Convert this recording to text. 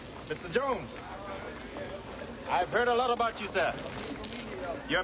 ジョーンズさん